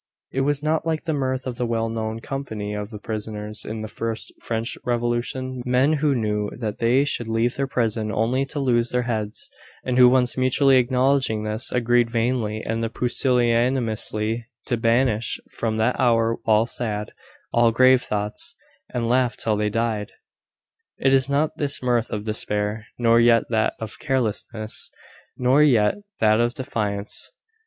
It was not like the mirth of the well known company of prisoners in the first French revolution men who knew that they should leave their prison only to lose their heads, and who, once mutually acknowledging this, agreed vainly and pusillanimously to banish from that hour all sad, all grave thoughts, and laugh till they died. It was not this mirth of despair; nor yet that of carelessness; nor yet that of defiance.